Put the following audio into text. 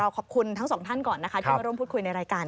ขอบคุณทั้งสองท่านก่อนนะคะที่มาร่วมพูดคุยในรายการ